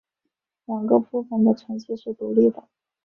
两个部分的成绩是独立的。